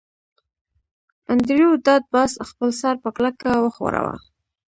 انډریو ډاټ باس خپل سر په کلکه وښوراوه